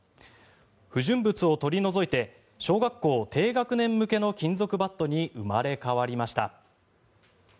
不純物を取り除いて小学校低学年向けの金属バットに生まれ変わりました。